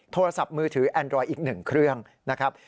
โทรศัพท์มือถือแอนดรอยอีก๑เครื่องนะครับ